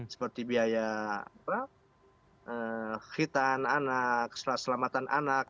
seperti biaya hitan anak keselamatan anak